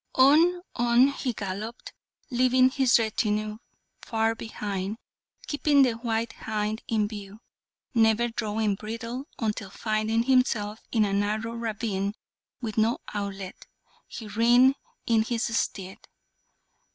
On, on he galloped, leaving his retinue far behind, keeping the white hind in view, never drawing bridle, until, finding himself in a narrow ravine with no outlet, he reined in his steed.